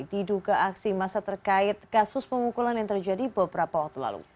diduga aksi masa terkait kasus pemukulan yang terjadi beberapa waktu lalu